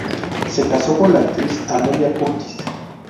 Se casó con la actriz Amelia Curtis.